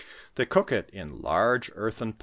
They cook it in large earthe